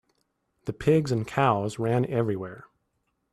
The pigs and cows ran everywhere.